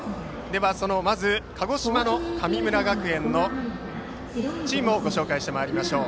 鹿児島の神村学園のチームをご紹介してまいりましょう。